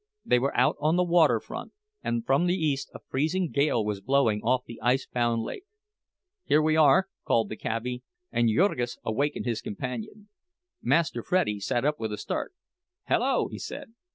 They were out on the waterfront, and from the east a freezing gale was blowing off the ice bound lake. "Here we are," called the cabbie, and Jurgis awakened his companion. Master Freddie sat up with a start. "Hello!" he said.